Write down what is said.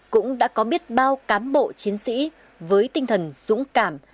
cũng đã có biết bao cám bộ chiến sĩ với tinh thần dũng cảm